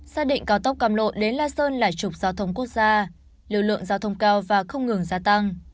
xác định cao tốc cam lộ đến la sơn là trục giao thông quốc gia lưu lượng giao thông cao và không ngừng gia tăng